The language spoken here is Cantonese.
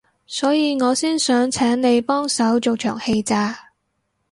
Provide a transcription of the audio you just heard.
所以我先想請你幫手做場戲咋